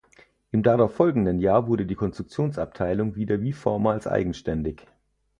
Im darauffolgenden Jahr wurde die Konstruktionsabteilung wieder wie vormals eigenständig.